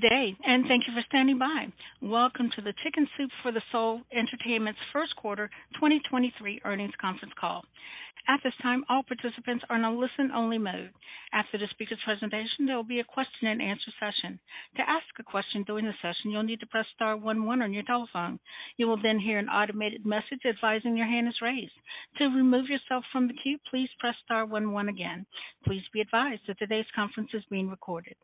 Good day, and thank you for standing by. Welcome to the Chicken Soup for the Soul Entertainment's First Quarter 2023 Earnings Conference Call. At this time, all participants are in a listen-only mode. After the speaker's presentation, there will be a question-and-answer session. To ask a question during the session, you'll need to press star one one on your telephone. You will then hear an automated message advising your hand is raised. To remove yourself from the queue, please press star one one again. Please be advised that today's conference is being recorded.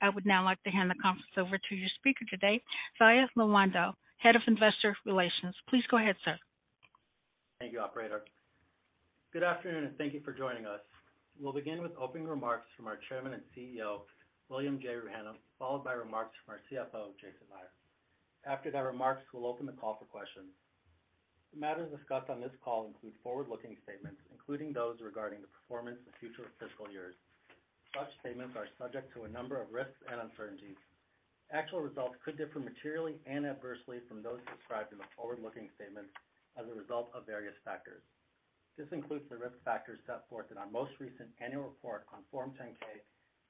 I would now like to hand the conference over to your speaker today, Zaia Lawandow, Head of Investor Relations. Please go ahead, sir. Thank you, operator. Good afternoon, and thank you for joining us. We'll begin with opening remarks from our Chairman and CEO, William J. Rouhana, followed by remarks from our CFO, Jason Meier. After the remarks, we'll open the call for questions. The matters discussed on this call include forward-looking statements, including those regarding the performance and future of fiscal years. Such statements are subject to a number of risks and uncertainties. Actual results could differ materially and adversely from those described in the forward-looking statements as a result of various factors. This includes the risk factors set forth in our most recent annual report on Form 10-K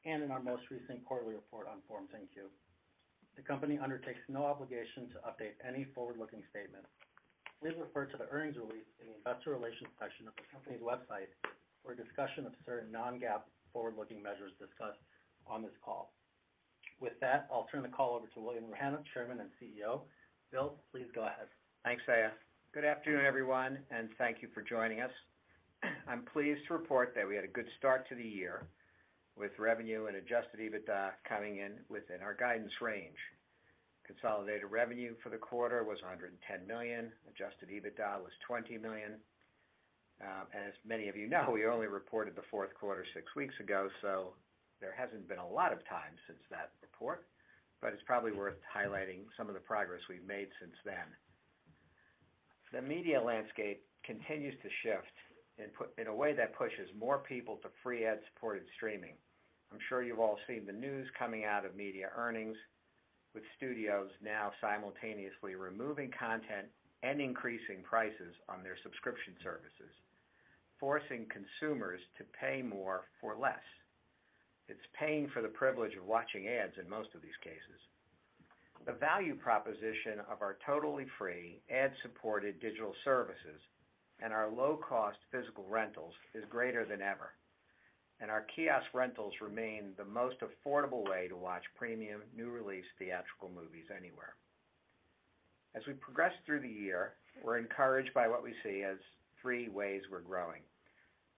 and in our most recent quarterly report on Form 10-Q. The company undertakes no obligation to update any forward-looking statement. Please refer to the earnings release in the investor relations section of the company's website for a discussion of certain non-GAAP forward-looking measures discussed on this call. With that, I'll turn the call over to William Rouhana, Chairman and CEO. Will, please go ahead. Thanks, Zaia. Good afternoon, everyone, thank you for joining us. I'm pleased to report that we had a good start to the year with revenue and adjusted EBITDA coming in within our guidance range. Consolidated revenue for the quarter was $110 million. Adjusted EBITDA was $20 million. As many of you know, we only reported the fourth quarter six weeks ago, there hasn't been a lot of time since that report, it's probably worth highlighting some of the progress we've made since then. The media landscape continues to shift in a way that pushes more people to free ad-supported streaming. I'm sure you've all seen the news coming out of media earnings, with studios now simultaneously removing content and increasing prices on their subscription services, forcing consumers to pay more for less. It's paying for the privilege of watching ads in most of these cases. The value proposition of our totally free ad-supported digital services and our low-cost physical rentals is greater than ever. Our kiosk rentals remain the most affordable way to watch premium new-release theatrical movies anywhere. As we progress through the year, we're encouraged by what we see as three ways we're growing.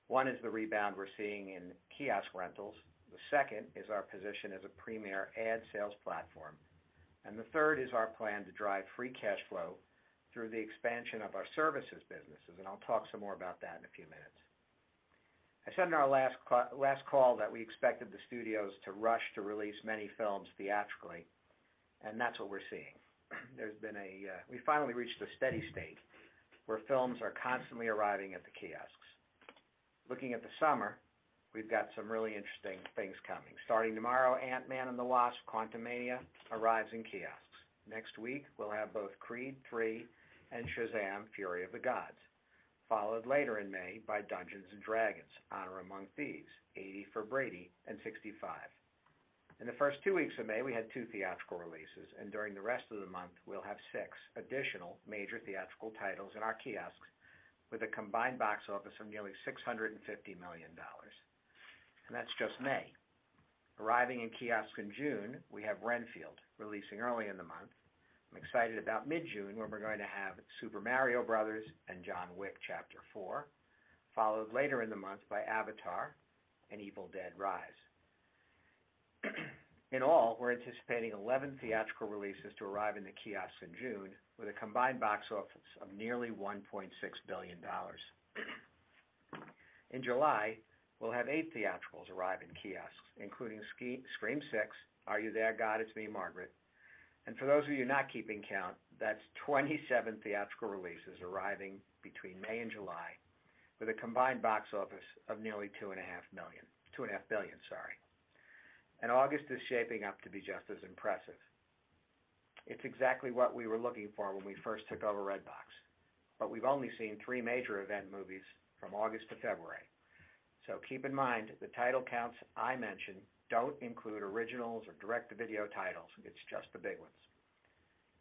One is the rebound we're seeing in kiosk rentals, the second is our position as a premier ad sales platform. The third is our plan to drive free cash flow through the expansion of our services businesses. I'll talk some more about that in a few minutes. I said in our last call that we expected the studios to rush to release many films theatrically. That's what we're seeing. There's been a. We finally reached a steady state where films are constantly arriving at the kiosks. Looking at the summer, we've got some really interesting things coming. Starting tomorrow, Ant-Man and the Wasp: Quantumania arrives in kiosks. Next week, we'll have both Creed III and Shazam! Fury of the Gods, followed later in May by Dungeons & Dragons: Honor Among Thieves, 80 for Brady, and 65. In the first two weeks of May, we had two theatrical releases, and during the rest of the month, we'll have six additional major theatrical titles in our kiosks with a combined box office of nearly $650 million. That's just May. Arriving in kiosk in June, we have Renfield releasing early in the month. I'm excited about mid-June, when we're going to have Super Mario Bros. John Wick: Chapter 4, followed later in the month by Avatar and Evil Dead Rise. In all, we're anticipating 11 theatrical releases to arrive in the kiosks in June with a combined box office of nearly $1.6 billion. In July, we'll have eight theatricals arrive in kiosks, including Scream VI, Are You There God? It's Me, Margaret. For those of you not keeping count, that's 27 theatrical releases arriving between May and July with a combined box office of nearly $2.5 billion, sorry. August is shaping up to be just as impressive. It's exactly what we were looking for when we first took over Redbox. We've only seen three major event movies from August to February. Keep in mind, the title counts I mentioned don't include originals or direct-to-video titles. It's just the big ones.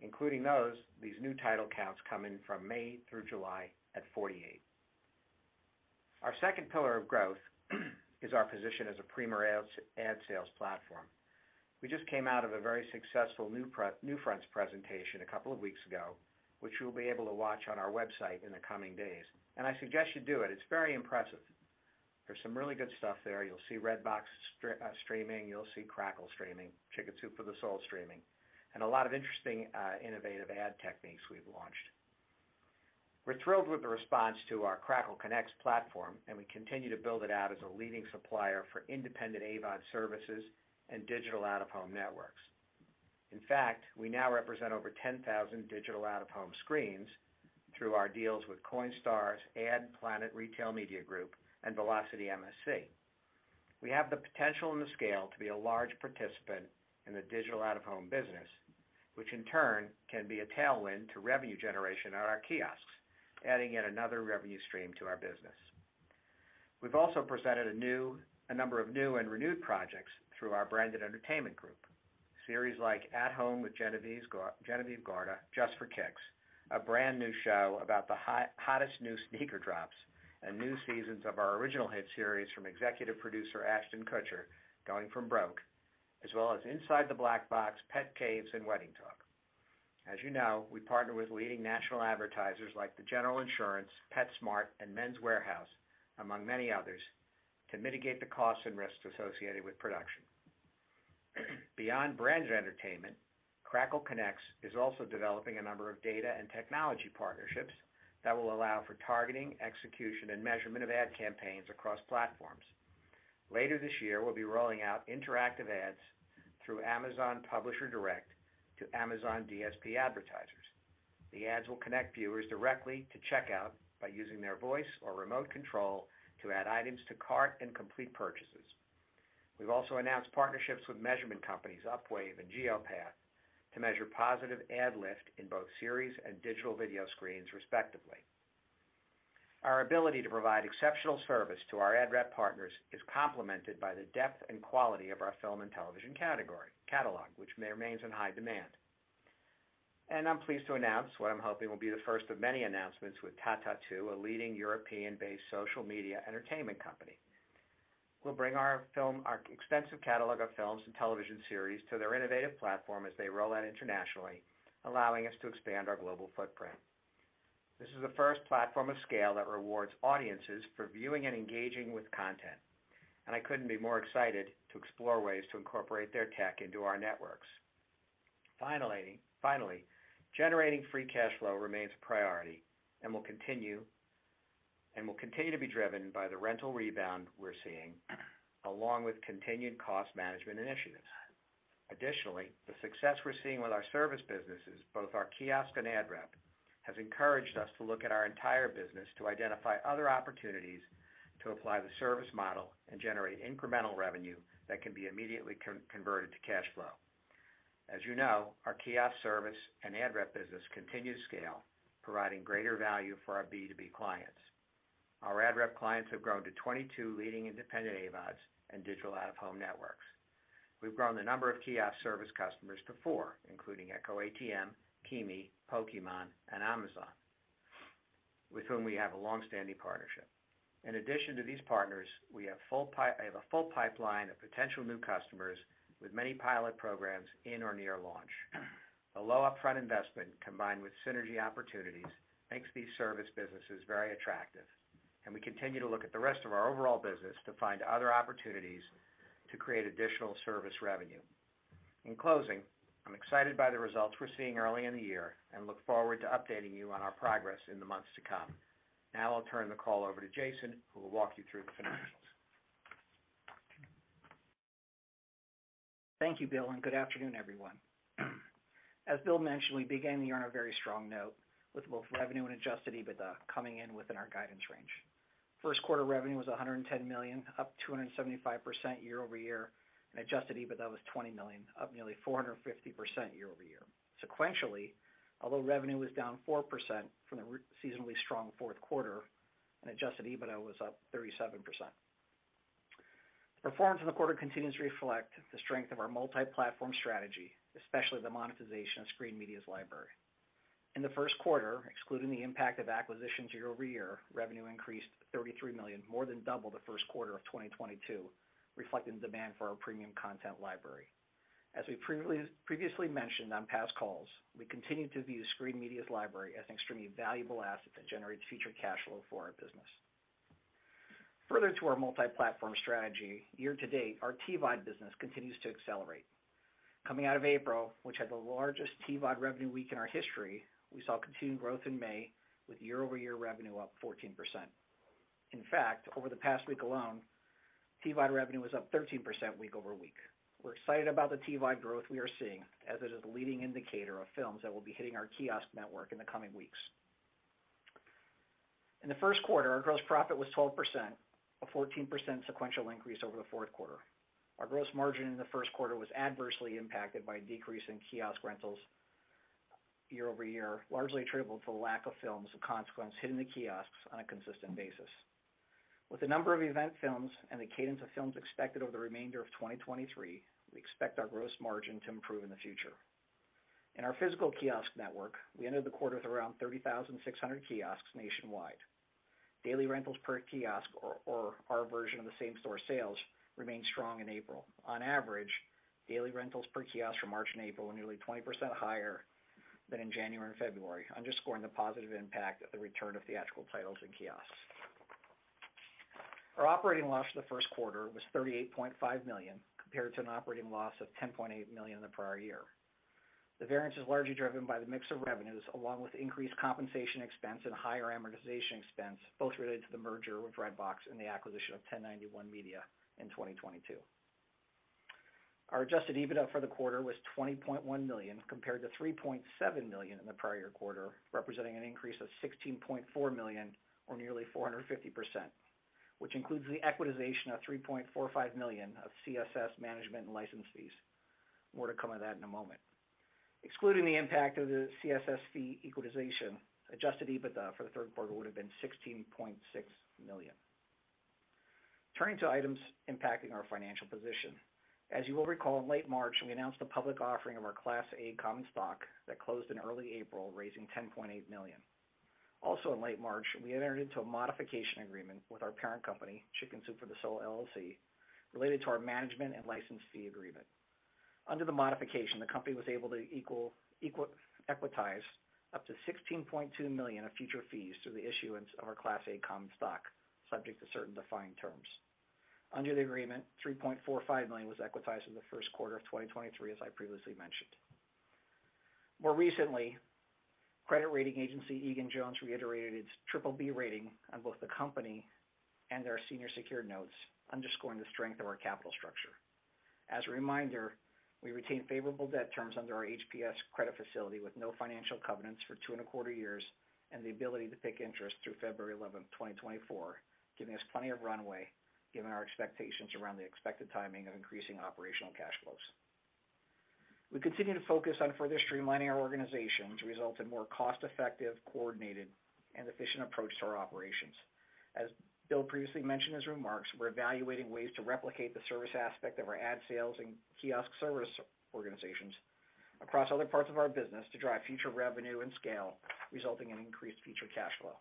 Including those, these new title counts come in from May through July at 48. Our second pillar of growth is our position as a premier ad sales platform. We just came out of a very successful NewFronts presentation a couple of weeks ago, which you'll be able to watch on our website in the coming days. I suggest you do it. It's very impressive. There's some really good stuff there. You'll see Redbox streaming, you'll see Crackle streaming, Chicken Soup for the Soul streaming, and a lot of interesting, innovative ad techniques we've launched. We're thrilled with the response to our Crackle Connex platform, and we continue to build it out as a leading supplier for independent AVOD services and digital out-of-home networks. In fact, we now represent over 10,000 digital out-of-home screens through our deals with Coinstar's adPlanet Retail Media Group and Velocity MSC. We have the potential and the scale to be a large participant in the digital out-of-home business, which in turn can be a tailwind to revenue generation at our kiosks, adding yet another revenue stream to our business. We've also presented a number of new and renewed projects through our branded entertainment group. Series like At Home with Genevieve Gorder, Just for Kicks, a brand new show about the hot, hottest new sneaker drops, and new seasons of our original hit series from executive producer Ashton Kutcher, Going From Broke, as well as Inside the Black Box, Pet Caves, and Wedding Talk. As you know, we partner with leading national advertisers like The General Insurance, PetSmart, and Men's Wearhouse, among many others, to mitigate the costs and risks associated with production. Beyond branded entertainment, Crackle Connex is also developing a number of data and technology partnerships that will allow for targeting, execution, and measurement of ad campaigns across platforms. Later this year, we'll be rolling out interactive ads through Amazon Publisher Direct to Amazon DSP advertisers. The ads will connect viewers directly to checkout by using their voice or remote control to add items to cart and complete purchases. We've also announced partnerships with measurement companies Upwave and Geopath to measure positive ad lift in both series and digital video screens, respectively. Our ability to provide exceptional service to our ad rep partners is complemented by the depth and quality of our film and television catalog, which remains in high demand. I'm pleased to announce what I'm hoping will be the first of many announcements with TaTaTu, a leading European-based social media entertainment company. We'll bring our extensive catalog of films and television series to their innovative platform as they roll out internationally, allowing us to expand our global footprint. This is the first platform of scale that rewards audiences for viewing and engaging with content, and I couldn't be more excited to explore ways to incorporate their tech into our networks. Finally, generating free cash flow remains a priority and will continue to be driven by the rental rebound we're seeing along with continued cost management initiatives. Additionally, the success we're seeing with our service businesses, both our kiosk and ad rep, has encouraged us to look at our entire business to identify other opportunities to apply the service model and generate incremental revenue that can be immediately converted to cash flow. As you know, our kiosk service and ad rep business continue to scale, providing greater value for our B2B clients. Our ad rep clients have grown to 22 leading independent AVODs and digital out-of-home networks. We've grown the number of kiosk service customers to four, including ecoATM, KeyMe, Pokémon, and Amazon, with whom we have a long-standing partnership. In addition to these partners, we have a full pipeline of potential new customers with many pilot programs in or near launch. A low upfront investment combined with synergy opportunities makes these service businesses very attractive. We continue to look at the rest of our overall business to find other opportunities to create additional service revenue. In closing, I'm excited by the results we're seeing early in the year and look forward to updating you on our progress in the months to come. I'll turn the call over to Jason, who will walk you through the financials. Thank you, Will, and good afternoon, everyone. As Will mentioned, we began the year on a very strong note with both revenue and adjusted EBITDA coming in within our guidance range. First quarter revenue was $110 million, up 275% year-over-year, and adjusted EBITDA was $20 million, up nearly 450% year-over-year. Sequentially, although revenue was down 4% from the seasonally strong fourth quarter and adjusted EBITDA was up 37%. The performance in the quarter continues to reflect the strength of our multi-platform strategy, especially the monetization of Screen Media's library. In the first quarter, excluding the impact of acquisitions year-over-year, revenue increased $33 million, more than double the first quarter of 2022, reflecting the demand for our premium content library. We previously mentioned on past calls, we continue to view Screen Media's library as an extremely valuable asset that generates future cash flow for our business. Further to our multi-platform strategy, year-to-date, our TVOD business continues to accelerate. Coming out of April, which had the largest TVOD revenue week in our history, we saw continued growth in May with year-over-year revenue up 14%. Over the past week alone, TVOD revenue was up 13% week-over-week. We're excited about the TVOD growth we are seeing as it is a leading indicator of films that will be hitting our kiosk network in the coming weeks. In the first quarter, our gross profit was 12%, a 14% sequential increase over the fourth quarter. Our gross margin in the first quarter was adversely impacted by a decrease in kiosk rentals year-over-year, largely attributable to the lack of films of consequence hitting the kiosks on a consistent basis. With the number of event films and the cadence of films expected over the remainder of 2023, we expect our gross margin to improve in the future. In our physical kiosk network, we ended the quarter with around 30,600 kiosks nationwide. Daily rentals per kiosk or our version of the same store sales remained strong in April. On average, daily rentals per kiosk for March and April were nearly 20% higher than in January and February, underscoring the positive impact of the return of theatrical titles in kiosks. Our operating loss for the first quarter was $38.5 million, compared to an operating loss of $10.8 million in the prior year. The variance is largely driven by the mix of revenues, along with increased compensation expense and higher amortization expense, both related to the merger with Redbox and the acquisition of 1091 Pictures in 2022. Our adjusted EBITDA for the quarter was $20.1 million compared to $3.7 million in the prior quarter, representing an increase of $16.4 million or nearly 450%, which includes the equitization of $3.45 million of CSS management and license fees. More to come of that in a moment. Excluding the impact of the CSS fee equalization, adjusted EBITDA for the third quarter would have been $16.6 million. Turning to items impacting our financial position. As you will recall, in late March, we announced a public offering of our Class A common stock that closed in early April, raising $10.8 million. In late March, we entered into a modification agreement with our parent company, Chicken Soup for the Soul LLC, related to our management and license fee agreement. Under the modification, the company was able to equitize up to $16.2 million of future fees through the issuance of our Class A common stock, subject to certain defined terms. Under the agreement, $3.45 million was equitized in the first quarter of 2023, as I previously mentioned. More recently, credit rating agency Egan-Jones reiterated its BBB rating on both the company and our senior secured notes, underscoring the strength of our capital structure. As a reminder, we retain favorable debt terms under our HPS credit facility with no financial covenants for two and a quarter years, and the ability to pay interest through February 11th, 2024, giving us plenty of runway given our expectations around the expected timing of increasing operational cash flows. We continue to focus on further streamlining our organization to result in more cost-effective, coordinated, and efficient approach to our operations. As Will previously mentioned in his remarks, we're evaluating ways to replicate the service aspect of our ad sales and kiosk service organizations across other parts of our business to drive future revenue and scale, resulting in increased future cash flow.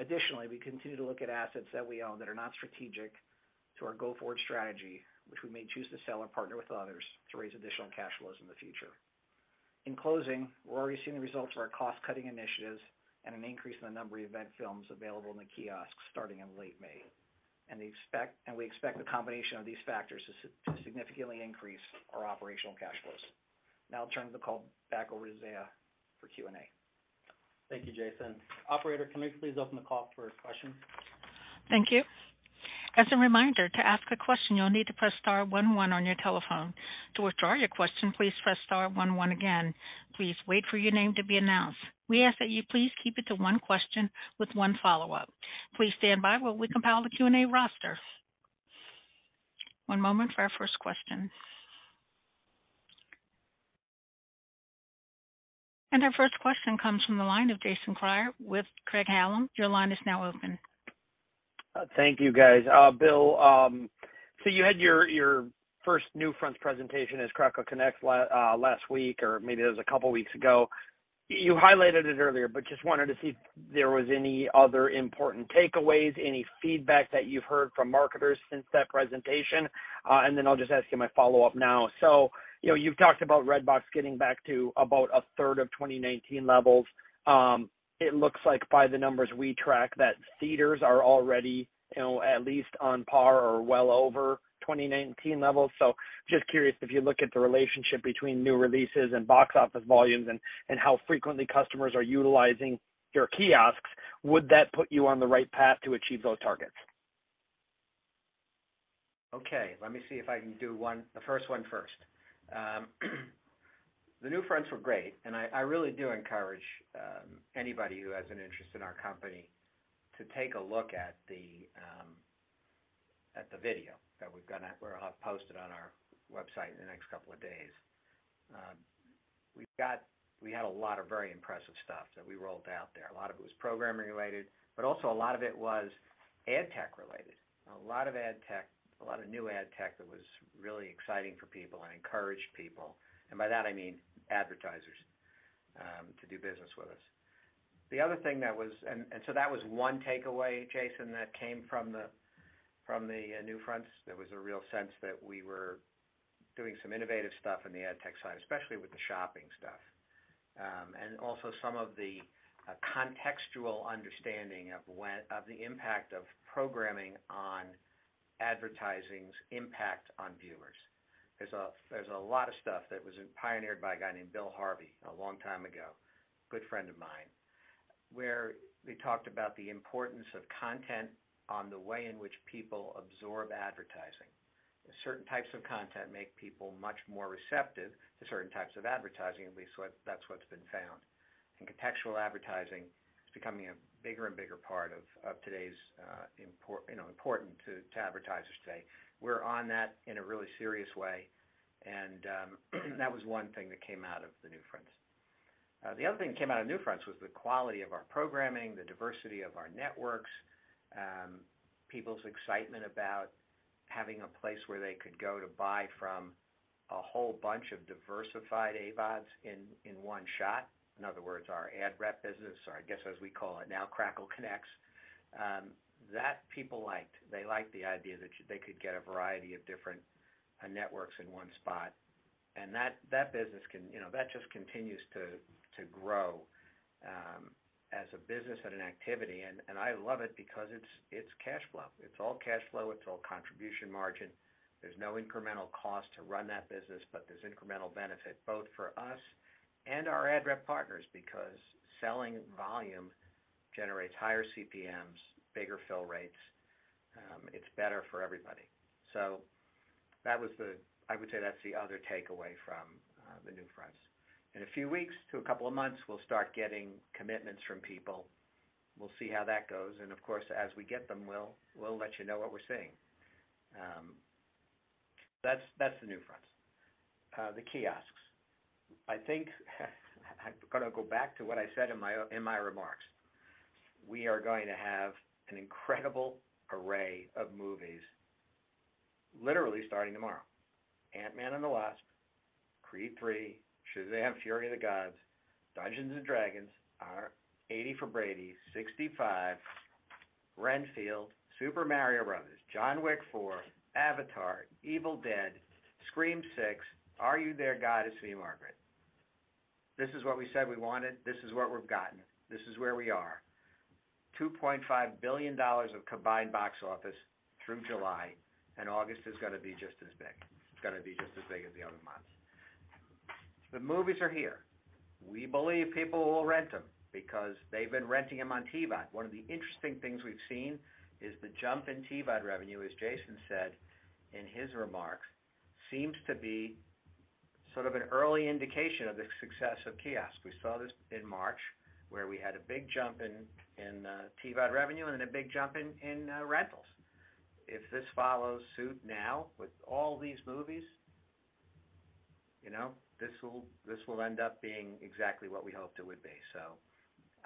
Additionally, we continue to look at assets that we own that are not strategic to our go-forward strategy, which we may choose to sell or partner with others to raise additional cash flows in the future. In closing, we're already seeing the results of our cost-cutting initiatives and an increase in the number of event films available in the kiosks starting in late May. We expect the combination of these factors to significantly increase our operational cash flows. Now I'll turn the call back over to Zaia for Q&A. Thank you, Jason. Operator, can we please open the call for questions? Thank you. As a reminder, to ask a question, you'll need to press star one one on your telephone. To withdraw your question, please press star one one again. Please wait for your name to be announced. We ask that you please keep it to one question with one follow-up. Please stand by while we compile the Q&A roster. One moment for our first question. Our first question comes from the line of Jason Kreyer with Craig-Hallum. Your line is now open. Thank you, guys. Will, you had your first NewFronts presentation as Crackle Connex last week, or maybe it was a couple weeks ago. You highlighted it earlier, just wanted to see if there was any other important takeaways, any feedback that you've heard from marketers since that presentation. I'll just ask you my follow-up now. You know, you've talked about Redbox getting back to about a third of 2019 levels. It looks like by the numbers we track that theaters are already, you know, at least on par or well over 2019 levels. Just curious if you look at the relationship between new releases and box office volumes and how frequently customers are utilizing your kiosks, would that put you on the right path to achieve those targets? Okay, let me see if I can do one, the first one first. The NewFronts were great, and I really do encourage anybody who has an interest in our company to take a look at the video that we'll have posted on our website in the next two days. We had a lot of very impressive stuff that we rolled out there. A lot of it was programming related, but also a lot of it was ad tech related. A lot of ad tech, a lot of new ad tech that was really exciting for people and encouraged people, and by that I mean advertisers, to do business with us. The other thing that was. That was one takeaway, Jason, that came from the NewFronts. There was a real sense that we were doing some innovative stuff on the ad tech side, especially with the shopping stuff. Also some of the contextual understanding of the impact of programming on advertising's impact on viewers. There's a lot of stuff that was pioneered by a guy named Bill Harvey a long time ago, good friend of mine, where they talked about the importance of content on the way in which people absorb advertising. Certain types of content make people much more receptive to certain types of advertising, at least that's what's been found. Contextual advertising is becoming a bigger and bigger part of today's, you know, important to advertisers today. We're on that in a really serious way, and that was one thing that came out of the NewFronts. The other thing that came out of NewFronts was the quality of our programming, the diversity of our networks, people's excitement about having a place where they could go to buy from a whole bunch of diversified AVODs in one shot. In other words, our ad rep business, or I guess as we call it now, Crackle Connex. That people liked. They liked the idea that they could get a variety of different networks in one spot. That, that business can, you know, that just continues to grow as a business and an activity. I love it because it's cash flow. It's all cash flow. It's all contribution margin. There's no incremental cost to run that business, but there's incremental benefit both for us and our ad rep partners because selling volume generates higher CPMs, bigger fill rates. It's better for everybody. That was, I would say, that's the other takeaway from the NewFronts. In a few weeks to a couple of months, we'll start getting commitments from people. We'll see how that goes. Of course, as we get them, we'll let you know what we're seeing. That's the NewFronts. The kiosks. I've gotta go back to what I said in my remarks. We are going to have an incredible array of movies literally starting tomorrow. Ant-Man and the Wasp, Creed III, Shazam! Fury of the Gods, Dungeons and Dragons, our 80 for Brady, 65, Renfield, Super Mario Brothers, John Wick 4, Avatar, Evil Dead, Scream VI, Are You There God? It's Me, Margaret. This is what we said we wanted. This is what we've gotten. This is where we are. $2.5 billion of combined box office through July. August is gonna be just as big. It's gonna be just as big as the other months. The movies are here. We believe people will rent them because they've been renting them on TVOD. One of the interesting things we've seen is the jump in TVOD revenue, as Jason said in his remarks, seems to be sort of an early indication of the success of kiosk. We saw this in March, where we had a big jump in TVOD revenue and a big jump in rentals. If this follows suit now with all these movies, you know, this will end up being exactly what we hoped it would be.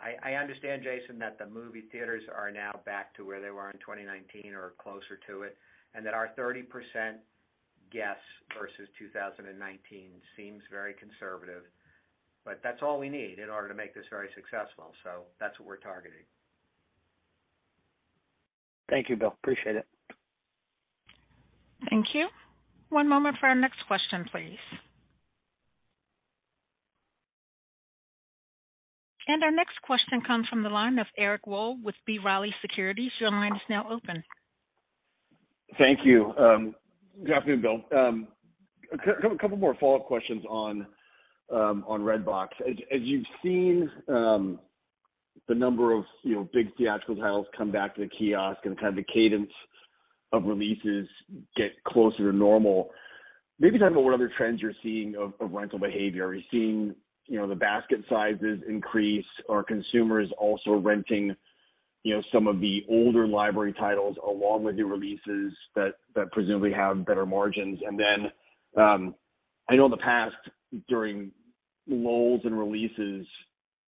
I understand, Jason, that the movie theaters are now back to where they were in 2019 or closer to it, and that our 30% guess versus 2019 seems very conservative. That's all we need in order to make this very successful. That's what we're targeting. Thank you, Will. Appreciate it. Thank you. One moment for our next question, please. Our next question comes from the line of Eric Wold with B. Riley Securities. Your line is now open. Thank you. Good afternoon, Will. A couple more follow-up questions on Redbox. As you've seen, the number of, you know, big theatrical titles come back to the kiosk and kind of the cadence of releases get closer to normal, maybe talk about what other trends you're seeing of rental behavior. Are you seeing, you know, the basket sizes increase? Are consumers also renting, you know, some of the older library titles along with new releases that presumably have better margins? I know in the past, during lulls in releases,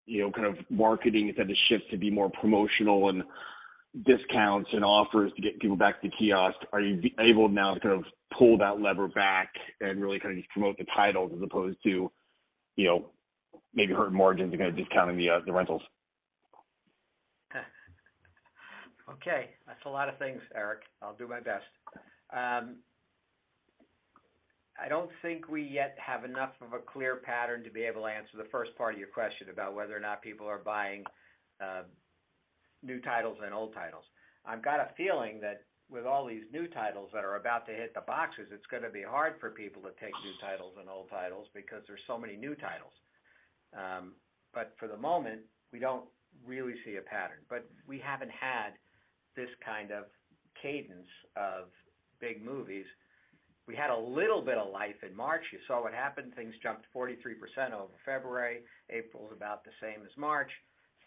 you know, kind of marketing has had to shift to be more promotional and discounts and offers to get people back to the kiosk. Are you able now to kind of pull that lever back and really kind of just promote the titles as opposed to, you know, maybe hurting margins and kind of discounting the rentals? Okay. That's a lot of things, Eric. I'll do my best. I don't think we yet have enough of a clear pattern to be able to answer the first part of your question about whether or not people are buying new titles and old titles. I've got a feeling that with all these new titles that are about to hit the boxes, it's gonna be hard for people to take new titles and old titles because there's so many new titles. For the moment, we don't really see a pattern. We haven't had this kind of cadence of big movies. We had a little bit of life in March. You saw what happened. Things jumped 43% over February. April's about the same as March.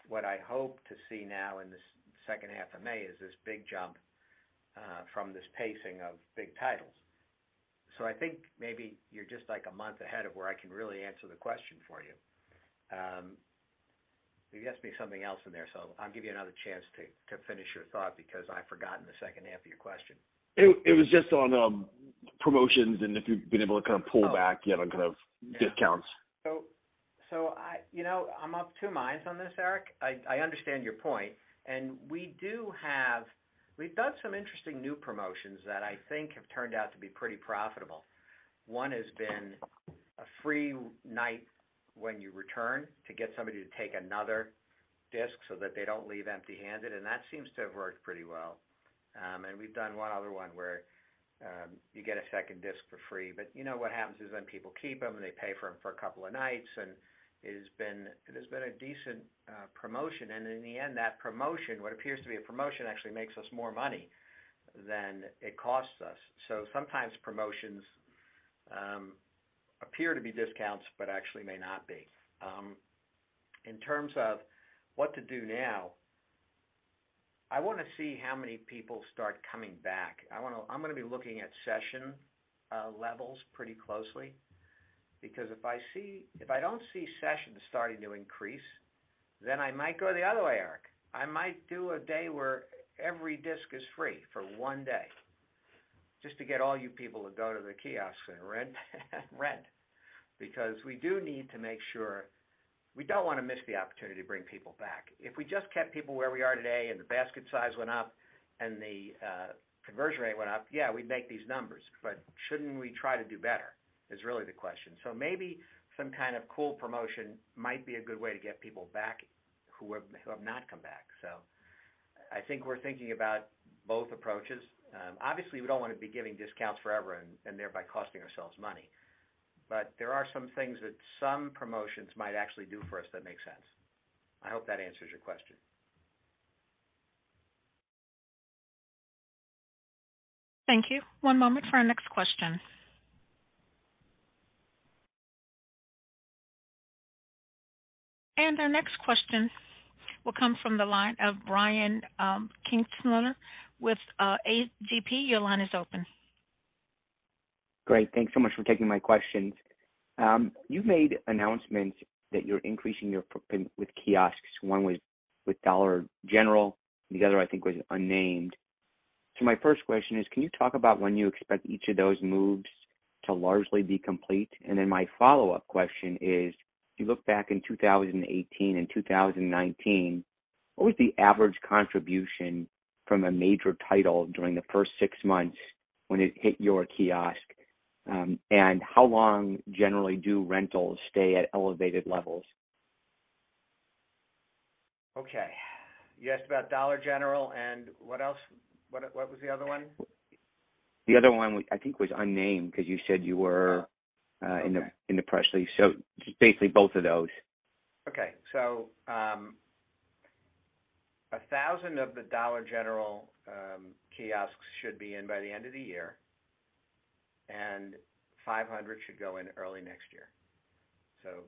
What I hope to see now in this second half of May is this big jump from this pacing of big titles. I think maybe you're just like a month ahead of where I can really answer the question for you. There has to be something else in there, so I'll give you another chance to finish your thought because I've forgotten the second half of your question. It was just on promotions and if you've been able to kind of pull back the other kind of discounts. You know, I'm of two minds on this, Eric. I understand your point. We've done some interesting new promotions that I think have turned out to be pretty profitable. One has been a free night when you return to get somebody to take another disc so that they don't leave empty-handed, and that seems to have worked pretty well. We've done one other one where you get a second disc for free. You know, what happens is then people keep them, and they pay for them for a couple of nights, and it has been a decent promotion. In the end, that promotion, what appears to be a promotion, actually makes us more money than it costs us. Sometimes promotions appear to be discounts but actually may not be. In terms of what to do now, I wanna see how many people start coming back. I'm gonna be looking at session levels pretty closely because if I don't see sessions starting to increase, then I might go the other way, Eric. I might do a day where every disc is free for one day just to get all you people to go to the kiosks and rent. We do need to make sure. We don't wanna miss the opportunity to bring people back. If we just kept people where we are today and the basket size went up and the conversion rate went up, yeah, we'd make these numbers. Shouldn't we try to do better is really the question? Maybe some kind of cool promotion might be a good way to get people back who have not come back. I think we're thinking about both approaches. Obviously we don't wanna be giving discounts forever and thereby costing ourselves money, but there are some things that some promotions might actually do for us that make sense. I hope that answers your question. Thank you. One moment for our next question. Our next question will come from the line of Brian Kinstlinger with A.G.P. Your line is open. Great. Thanks so much for taking my questions. You made announcements that you're increasing your footprint with kiosks. One was with Dollar General, and the other, I think, was unnamed. My first question is, can you talk about when you expect each of those moves to largely be complete? My follow-up question is, if you look back in 2018 and 2019, what was the average contribution from a major title during the first six months when it hit your kiosk? And how long generally do rentals stay at elevated levels? Okay. You asked about Dollar General and what else? What was the other one? The other one I think was unnamed because you said you were - Okay. - in the press release. Just basically both of those. Okay. 1,000 of the Dollar General kiosks should be in by the end of the year, and 500 should go in early next year.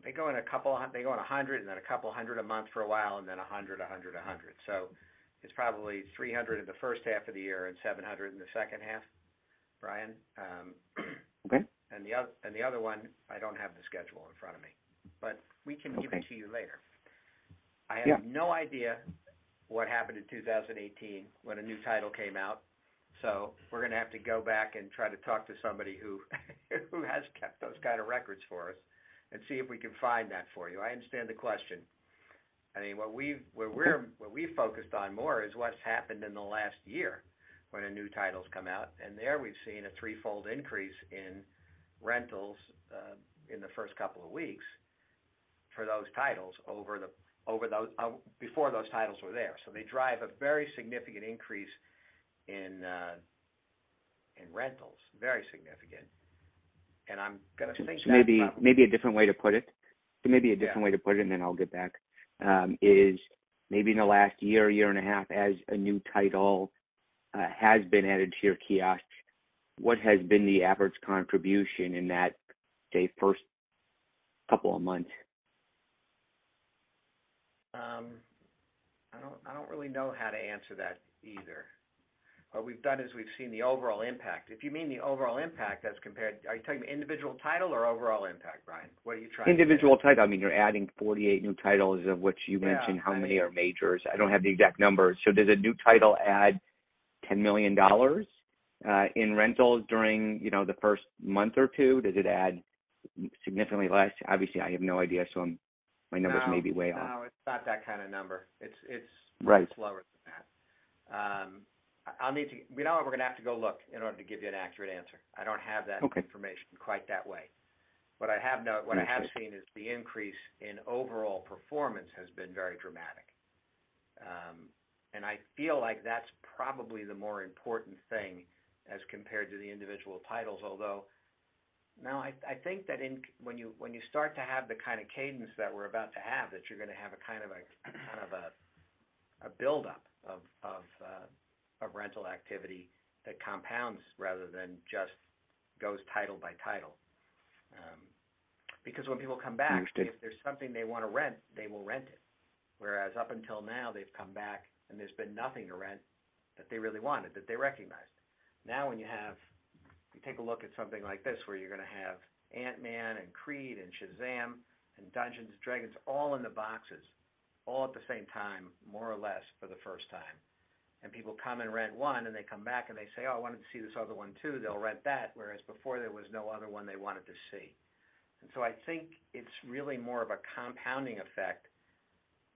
They go in 100 and then 200 a month for a while, and then 100, 100. It's probably 300 in the first half of the year and 700 in the second half. Brian. Okay. The other one, I don't have the schedule in front of me, but we can give it to you later. Yeah. I have no idea what happened in 2018 when a new title came out, so we're gonna have to go back and try to talk to somebody who has kept those kind of records for us and see if we can find that for you. I understand the question. I mean, what we've focused on more is what's happened in the last year when a new title's come out. There we've seen a threefold increase in rentals in the first couple of weeks for those titles over those before those titles were there. They drive a very significant increase in rentals, very significant. I'm gonna think that about. Maybe a different way to put it. Yeah. To put it, and then I'll get back. Is maybe in the last year and a half, as a new title has been added to your kiosk, what has been the average contribution in that, say, first couple of months? I don't really know how to answer that either. What we've done is we've seen the overall impact. Are you talking individual title or overall impact, Brian? What are you trying to get at? Individual title. I mean, you're adding 48 new titles, of which you mentioned - Yeah. - how many are majors. I don't have the exact numbers. Does a new title add $10 million in rentals during, you know, the first month or two? Does it add significantly less? Obviously, I have no idea, so my numbers may be way off. No, no, it's not that kind of number. Right. It's much lower than that. You know what? We're gonna have to go look in order to give you an accurate answer. I don't have that - Okay. - information quite that way. What I have not... Understood. What I have seen is the increase in overall performance has been very dramatic. I feel like that's probably the more important thing as compared to the individual titles. Now I think that when you start to have the kind of cadence that we're about to have, that you're gonna have a kind of a buildup of rental activity that compounds rather than just goes title by title. Because when people come back - Understood. - if there's something they want to rent, they will rent it. Whereas up until now, they've come back, and there's been nothing to rent that they really wanted, that they recognized. You take a look at something like this, where you're gonna have Ant-Man and Creed and Shazam and Dungeons and Dragons all in the boxes, all at the same time, more or less for the first time. People come and rent one, and they come back and they say, "Oh, I wanted to see this other one, too." They'll rent that, whereas before there was no other one they wanted to see. I think it's really more of a compounding effect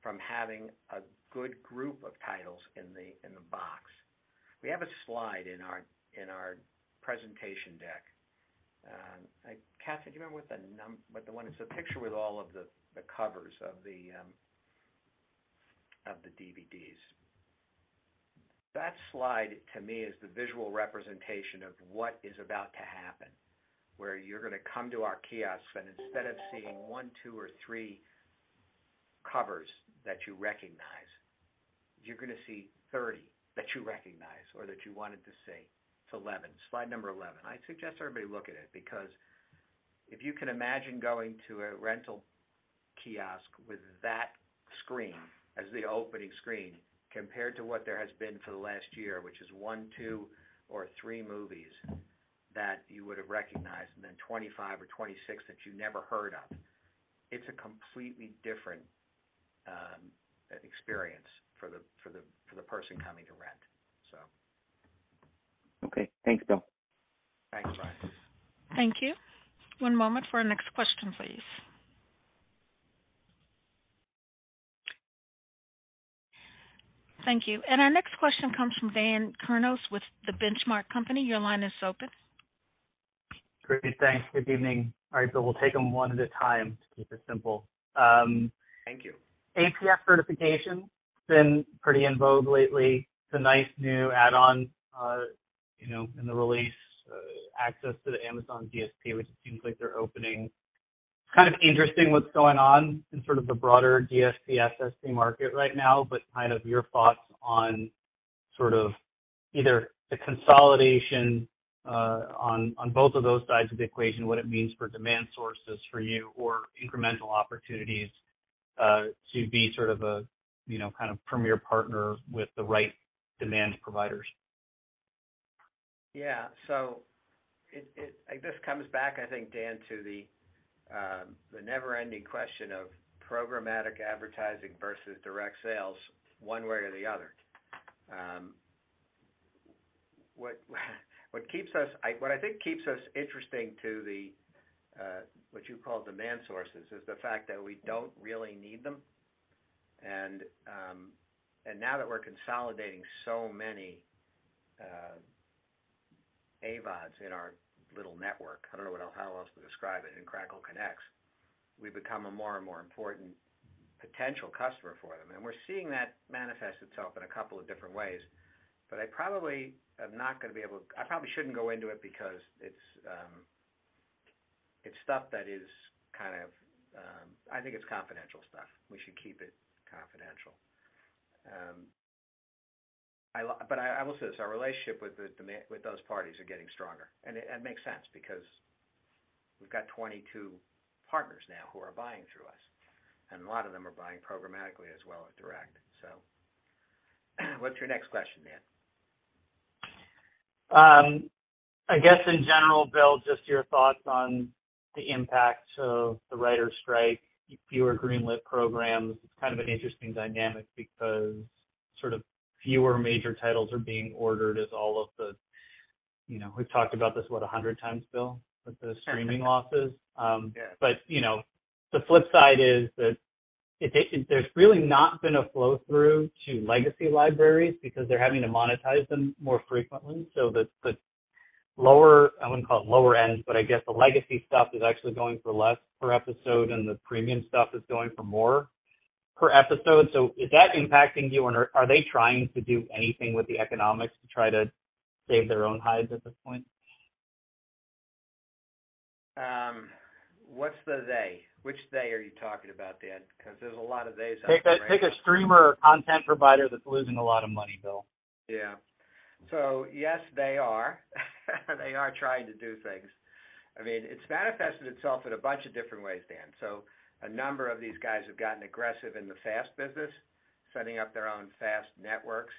from having a good group of titles in the box. We have a slide in our presentation deck. Kathy, do you remember what the one is? The picture with all of the covers of the, of the DVDs. That slide, to me, is the visual representation of what is about to happen, where you're gonna come to our kiosk, and instead of seeing one, two, or three covers that you recognize, you're gonna see 30 that you recognize or that you wanted to see. It's 11, slide number 11. I suggest everybody look at it because if you can imagine going to a rental kiosk with that screen as the opening screen compared to what there has been for the last year, which is one, two, or three movies that you would have recognized and then 25 or 26 that you never heard of, it's a completely different experience for the, for the, for the person coming to rent, so. Okay. Thanks, Will. Thanks, Brian. Thank you. One moment for our next question, please. Thank you. Our next question comes from Daniel Kurnos with The Benchmark Company. Your line is open. Great. Thanks. Good evening. All right, Will, we'll take them one at a time to keep it simple. Thank you. ATF certification, been pretty in vogue lately. It's a nice new add-on, you know, in the release, access to the Amazon DSP, which it seems like they're opening. Kind of interesting what's going on in sort of the broader DSP SSP market right now, kind of your thoughts on sort of either the consolidation, on both of those sides of the equation, what it means for demand sources for you or incremental opportunities, to be sort of a, you know, kind of premier partner with the right demand providers? Yeah. It I guess, comes back, I think, Dan, to the never-ending question of programmatic advertising versus direct sales one way or the other. What keeps us what I think keeps us interesting to the what you call demand sources, is the fact that we don't really need them. Now that we're consolidating so many AVODs in our little network, I don't know what else, how else to describe it, in Crackle Connex, we've become a more and more important potential customer for them. We're seeing that manifest itself in a couple of different ways. I probably am not gonna be able to... I probably shouldn't go into it because it's stuff that is kind of I think it's confidential stuff. We should keep it confidential. I will say this, our relationship with those parties are getting stronger, and it makes sense because we've got 22 partners now who are buying through us, and a lot of them are buying programmatically as well as direct. What's your next question, Dan? I guess in general, Will, just your thoughts on the impact of the writers strike, fewer greenlit programs. It's kind of an interesting dynamic because sort of fewer major titles are being ordered as all of the, you know, we've talked about this, what, 100 times, Will, with the streaming losses. Yeah. You know, the flip side is that it there's really not been a flow-through to legacy libraries because they're having to monetize them more frequently. The lower, I wouldn't call it lower end, but I guess the legacy stuff is actually going for less per episode and the premium stuff is going for more per episode. Is that impacting you or are they trying to do anything with the economics to try to save their own hides at this point? What's the they? Which they are you talking about, Dan? 'Cause there's a lot of they's out there, right? Take a streamer or content provider that's losing a lot of money, Will. Yes, they are. They are trying to do things. I mean, it's manifested itself in a bunch of different ways, Dan. A number of these guys have gotten aggressive in the FAST business, setting up their own FAST networks.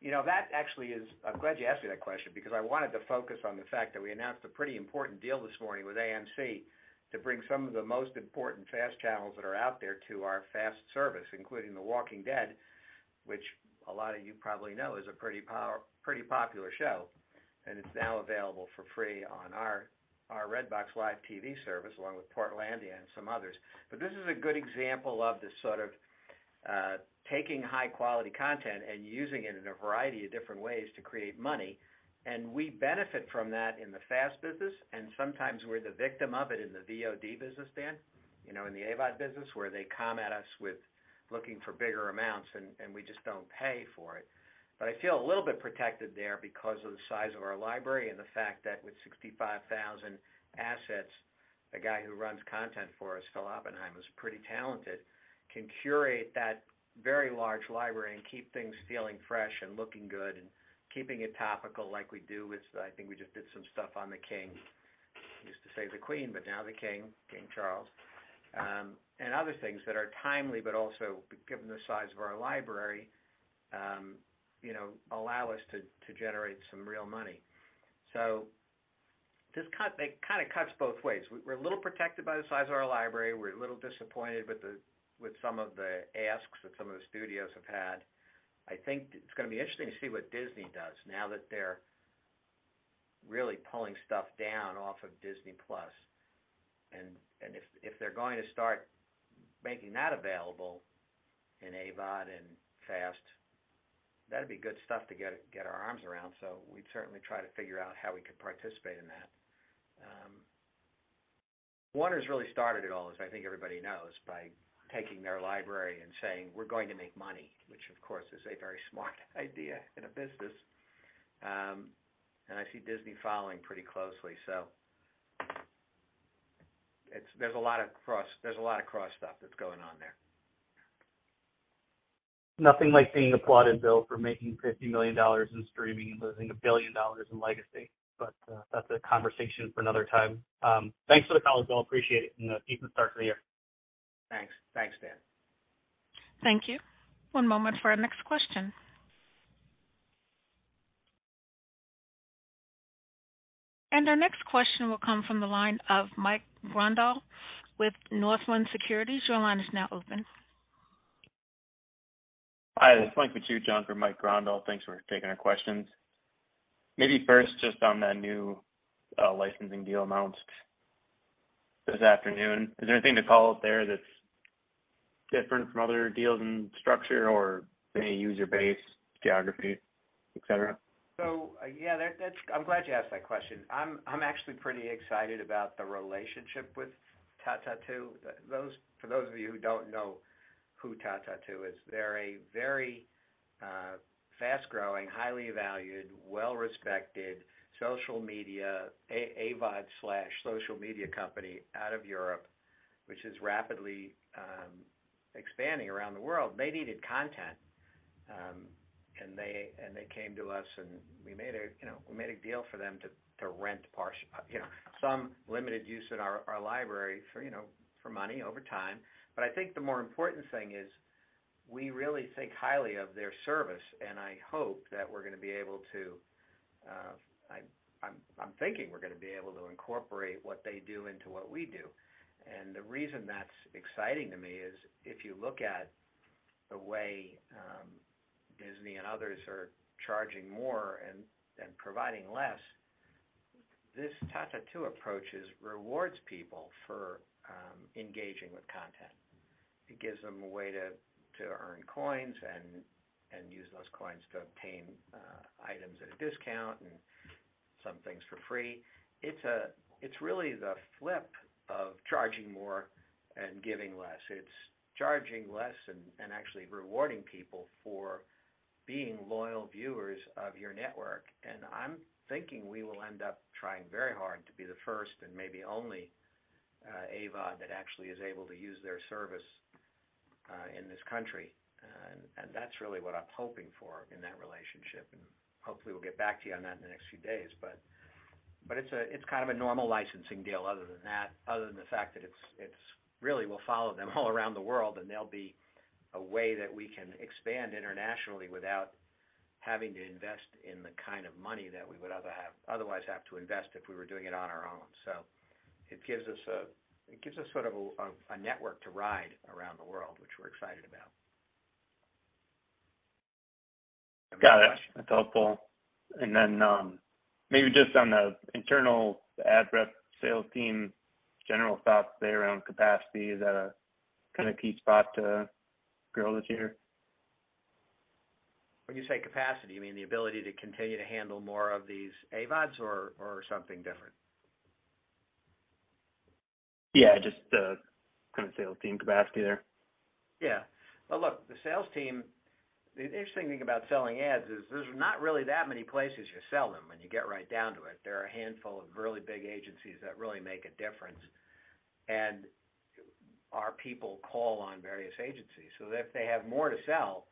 You know, that actually is. I'm glad you asked me that question because I wanted to focus on the fact that we announced a pretty important deal this morning with AMC to bring some of the most important FAST channels that are out there to our FAST service, including The Walking Dead, which a lot of you probably know is a pretty popular show, and it's now available for free on our Redbox live TV service, along with Portlandia and some others. This is a good example of this sort of taking high quality content and using it in a variety of different ways to create money, and we benefit from that in the FAST business. Sometimes we're the victim of it in the VOD business, Dan, you know, in the AVOD business, where they come at us with looking for bigger amounts and we just don't pay for it. I feel a little bit protected there because of the size of our library and the fact that with 65,000 assets, the guy who runs content for us, Phil Oppenheim, who's pretty talented, can curate that very large library and keep things feeling fresh and looking good and keeping it topical like we do with, I think we just did some stuff on the King. Used to say the Queen, but now the King Charles. Other things that are timely but also, given the size of our library, you know, allow us to generate some real money. It kinda cuts both ways. We're a little protected by the size of our library. We're a little disappointed with some of the asks that some of the studios have had. I think it's gonna be interesting to see what Disney does now that they're really pulling stuff down off of Disney Plus. If they're going to start making that available in AVOD and FAST, that'd be good stuff to get our arms around. We'd certainly try to figure out how we could participate in that. Warner's really started it all, as I think everybody knows, by taking their library and saying, "We're going to make money," which of course is a very smart idea in a business. I see Disney following pretty closely. There's a lot of cross stuff that's going on there. Nothing like being applauded, Will, for making $50 million in streaming and losing $1 billion in legacy. That's a conversation for another time. Thanks for the color, Will. Appreciate it and the even start to the year. Thanks. Thanks, Dan. Thank you. One moment for our next question. Our next question will come from the line of Michael Grondahl with Northland Securities. Your line is now open. Hi, this is Michael on for Michael Grondahl. Thanks for taking our questions. Maybe first just on that new licensing deal announced this afternoon, is there anything to call out there that's different from other deals in structure or say user base, geography, et cetera? Yeah, that's. I'm actually pretty excited about the relationship with TaTaTu. For those of you who don't know who TaTaTu is, they're a very fast-growing, highly valued, well-respected social media, AVOD/social media company out of Europe, which is rapidly expanding around the world. They needed content, and they came to us and we made a, you know, we made a deal for them to rent parts, you know, some limited use in our library for, you know, for money over time. I think the more important thing is we really think highly of their service, and I hope that we're gonna be able to, I'm thinking we're gonna be able to incorporate what they do into what we do. The reason that's exciting to me is if you look at the way Disney and others are charging more and providing less, this TaTaTu approach is rewards people for engaging with content. It gives them a way to earn coins and use those coins to obtain items at a discount and some things for free. It's really the flip of charging more and giving less. It's charging less and actually rewarding people for being loyal viewers of your network. I'm thinking we will end up trying very hard to be the first and maybe only AVOD that actually is able to use their service in this country. That's really what I'm hoping for in that relationship, and hopefully we'll get back to you on that in the next few days. It's kind of a normal licensing deal other than that, other than the fact that it's really will follow them all around the world, and they'll be a way that we can expand internationally without having to invest in the kind of money that we would otherwise have to invest if we were doing it on our own. It gives us a, it gives us sort of a network to ride around the world, which we're excited about. Got it. That's helpful. Maybe just on the internal ad rep sales team, general thoughts there around capacity. Is that a kinda key spot to grow this year? When you say capacity, you mean the ability to continue to handle more of these AVODs or something different? Yeah, just the kinda sales team capacity there. Look, the interesting thing about selling ads is there's not really that many places you sell them when you get right down to it. There are a handful of really big agencies that really make a difference. Our people call on various agencies. If they have more to sell,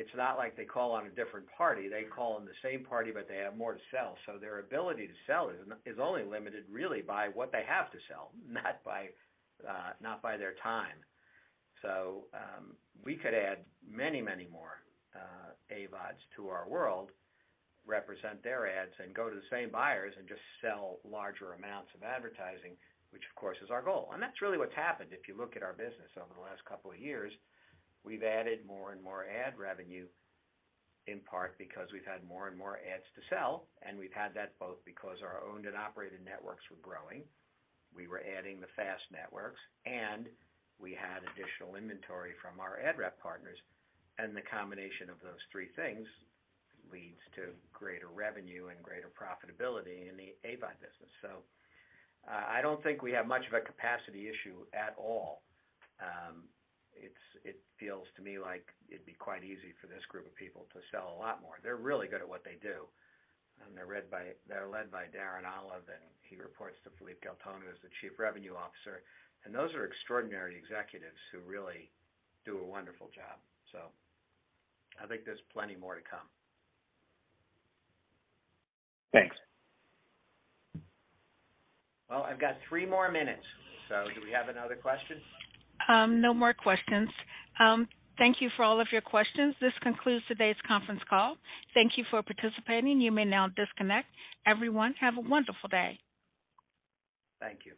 it's not like they call on a different party. They call on the same party, they have more to sell. Their ability to sell is only limited really by what they have to sell, not by their time. We could add many, many more AVODs to our world, represent their ads, and go to the same buyers and just sell larger amounts of advertising, which of course is our goal. That's really what's happened if you look at our business over the last couple of years. We've added more and more ad revenue, in part because we've had more and more ads to sell, and we've had that both because our owned and operated networks were growing, we were adding the FAST networks, and we had additional inventory from our ad rep partners. The combination of those three things leads to greater revenue and greater profitability in the AVOD business. I don't think we have much of a capacity issue at all. It feels to me like it'd be quite easy for this group of people to sell a lot more. They're really good at what they do. They're led by Darren Olive, and he reports to Philippe Guelton, who's the Chief Revenue Officer. Those are extraordinary executives who really do a wonderful job. I think there's plenty more to come. Thanks. Well, I've got three more minutes. Do we have another question? No more questions. Thank you for all of your questions. This concludes today's conference call. Thank you for participating. You may now disconnect. Everyone, have a wonderful day. Thank you.